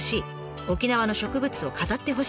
「沖縄の植物を飾ってほしい」。